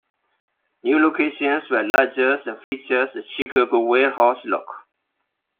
New locations were larger and featured a "Chicago warehouse" look.